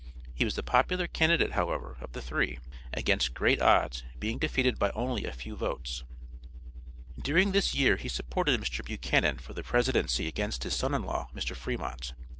He was the popular candidate, however, of the three, against great odds being defeated by only a few votes. During this year he supported Mr. Buchanan for the presidency against his son in law, Mr. Fremont.